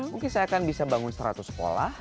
mungkin saya akan bisa bangun seratus sekolah